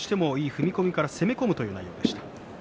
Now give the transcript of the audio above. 踏み込みから攻め込むという内容でした。